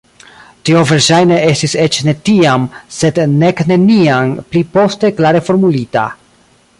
Tio verŝajne estis eĉ ne tiam, sed nek neniam pli poste klare formulita.